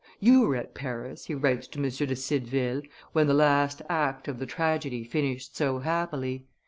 "You were at Paris," he writes to M. de Cideville, "when the last act of the tragedy finished so happily.